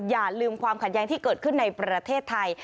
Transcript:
อย่าลืมความขัดแย้งที่เกิดขึ้นในประเทศไทย